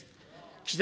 岸田